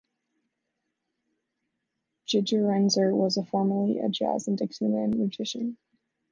Gigerenzer was formerly a jazz and Dixieland musician.